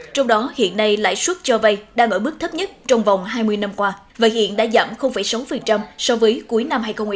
trong đó hiện nay lãi suất cho vay đang ở mức thấp nhất trong vòng hai mươi năm qua và hiện đã giảm sáu so với cuối năm hai nghìn một mươi ba